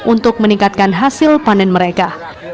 untuk meningkatkan hasil panen mereka